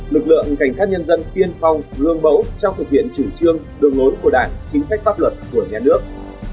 lực lượng cảnh sát nhân dân tiên phong gương mẫu trong thực hiện chủ trương đường lối của đảng chính sách pháp luật của nhà nước